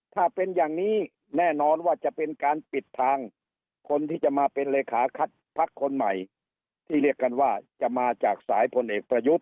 ถ้าเป็นอย่างนี้แน่นอนว่าจะเป็นการปิดทางคนที่จะมาเป็นเลขาคัดพักคนใหม่ที่เรียกกันว่าจะมาจากสายพลเอกประยุทธ์